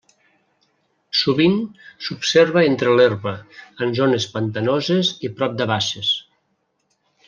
Sovint s'observa entre l'herba en zones pantanoses i prop de basses.